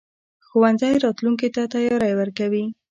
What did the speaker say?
ښوونځی راتلونکي ته تیاری ورکوي.